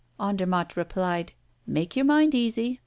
Andermatt replied: "Make your mind easy.